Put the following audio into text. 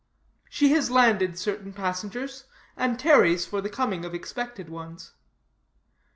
She has landed certain passengers, and tarries for the coming of expected ones.